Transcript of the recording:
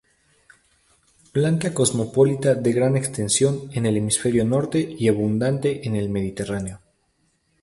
Planta cosmopolita de gran extensión en el hemisferio norte y abundante en el Mediterráneo.